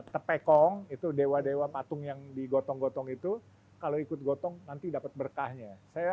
tepekong itu dewa dewa patung yang digotong gotong itu kalau ikut gotong nanti dapat berkahnya saya